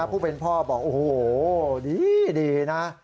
ผู้เป็นพ่อบอกโอ้โหดีนะ